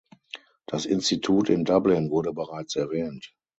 Das Institut in Dublin wurde bereits erwähnt.